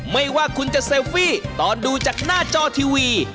ไม่ว่าคุณจะเซลฟี่ตอนดูจากหน้าจอทีวี